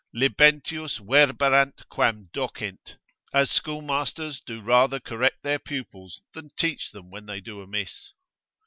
Libentius verberant quam docent, as schoolmasters do rather correct their pupils, than teach them when they do amiss.